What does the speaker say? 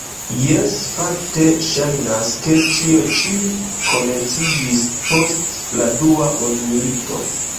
Jes, fakte ŝajnas, ke ĉio ĉi komenciĝis post la dua mondmilito.